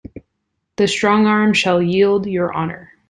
This strong arm shall shield your honor.